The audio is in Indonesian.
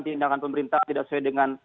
tindakan pemerintah tidak sesuai dengan